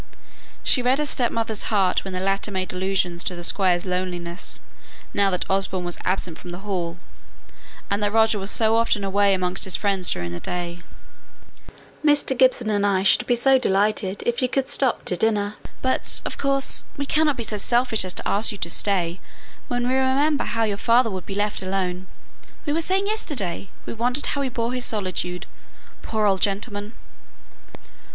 She read her stepmother's heart when the latter made allusions to the Squire's loneliness, now that Osborne was absent from the Hall, and that Roger was so often away amongst his friends during the day, "Mr. Gibson and I should be so delighted if you could have stopped to dinner; but, of course, we cannot be so selfish as to ask you to stay when we remember how your father would be left alone. We were saying yesterday we wondered how he bore his solitude, poor old gentleman!"